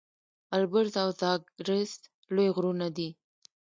البرز او زاگرس لوی غرونه دي.